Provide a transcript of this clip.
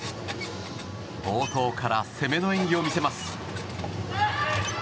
冒頭から攻めの演技を見せます。